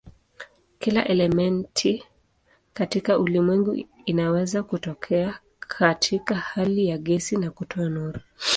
Kila elementi katika ulimwengu inaweza kutokea katika hali ya gesi na kutoa nuru.